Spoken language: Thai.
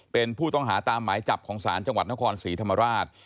เป็นผู้ต้องหาตามหมายจับของศาลจังหวัดนครศรีธรรมราช